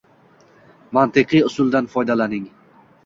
Mantiqiy usuldan foydalaning.